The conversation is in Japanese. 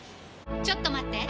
ちょっと待って！